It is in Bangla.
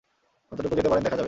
কতটুকু যেতে পারেন দেখা যাবে।